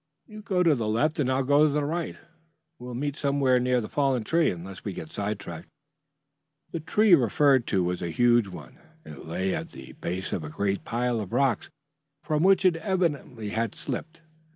"You go to the left and I'll go to the right. We will meet somewhere near the fallen tree unless we get side tracked." The tree referred to was a huge one. It lay at the base of a great pile of rocks, from which it evidently had slipped.